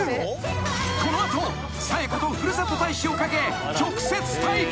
［この後紗栄子とふるさと大使を懸け直接対決］